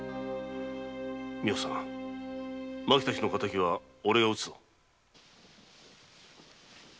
美保さん麻紀たちの敵はおれが討つぞ。